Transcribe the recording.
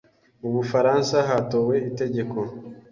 Mu Bufaransa hatowe itegeko